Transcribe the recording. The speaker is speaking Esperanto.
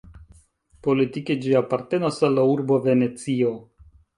Politike ĝi apartenas al la urbo Venecio.